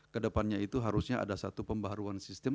kedepannya itu harusnya ada satu pembaruan sistem